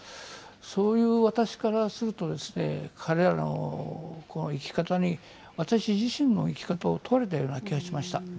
そういう私からするとですね、彼らの生き方に私自身の生き方を問われたような気がしました。